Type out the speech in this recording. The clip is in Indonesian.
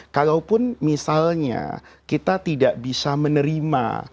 kalaupun misalnya kita tidak bisa menerima